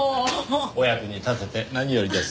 お役に立てて何よりです。